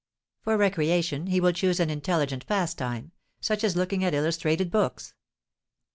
For recreation he will choose an intelligent pastime, such as looking at illustrated books.